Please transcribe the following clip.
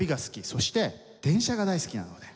そして電車が大好きなので。